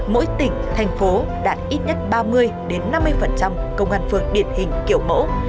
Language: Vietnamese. mỗi tỉnh thành phố đạt ít nhất ba mươi năm mươi công an phường điển hình kiểu mẫu